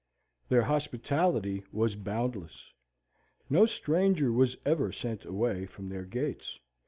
Their hospitality was boundless. No stranger was ever sent away from their gates.